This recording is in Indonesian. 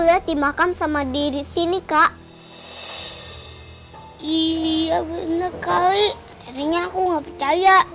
lihat di makam sama diri sini kak iya bener kali tadinya aku nggak percaya